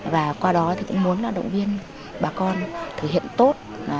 và qua đó thì cũng muốn động viên bà con thực hiện tốt quy chế biên giới